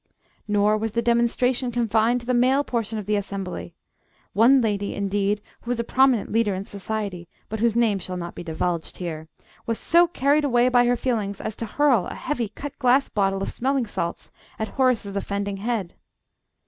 Nor was the demonstration confined to the male portion of the assembly. One lady, indeed, who is a prominent leader in society, but whose name shall not be divulged here, was so carried away by her feelings as to hurl a heavy cut glass bottle of smelling salts at Horace's offending head.